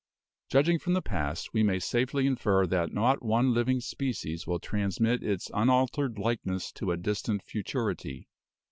Judging from the past, we may safely infer that not one living species will transmit its unaltered likeness to a distant futurity.